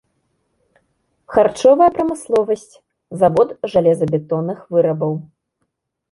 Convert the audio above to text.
Харчовая прамысловасць, завод жалезабетонных вырабаў.